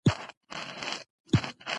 خلک د مېلو له پاره ځانونه وختي لا اماده کوي.